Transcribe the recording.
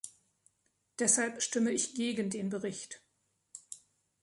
Deshalb stimme ich gegen den Bericht.